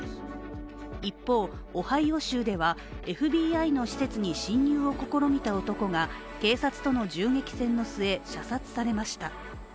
一方、オハイオ州ではＦＢＩの施設に侵入を試みた男が警察との銃撃戦の末、射殺されました。